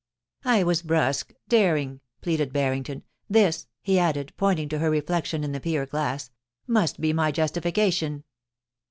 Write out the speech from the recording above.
* I was brusque, daring,' pleaded Barringtoa * This^ he added, pointing to her reflection in the pier glass, * must be my justification.'